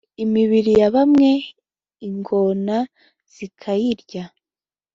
imibiri ya bamwe ingona zikayirya